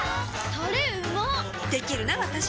タレうまっできるなわたし！